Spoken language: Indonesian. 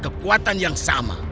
kekuatan yang sama